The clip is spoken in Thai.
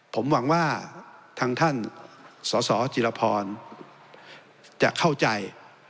ผมหวังว่าทางท่านสสจิรพรจะเข้าใจ